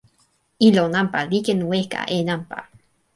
ilo nanpa li ken weka e nanpa.